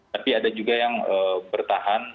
tapi ada juga yang bertahan